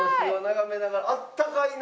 あったかいな。